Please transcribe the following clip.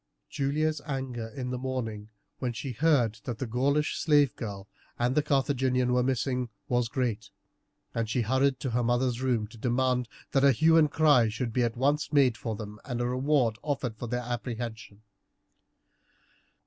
Julia's anger in the morning, when she heard that the Gaulish slave girl and the Carthaginian were missing, was great, and she hurried to her mother's room to demand that a hue and cry should be at once made for them, and a reward offered for their apprehension.